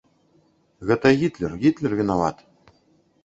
- Гэта Гiтлер, Гiтлер вiнават.